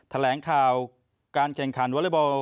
แถลงข่าการแข่งขันวอร์เลอร์บอล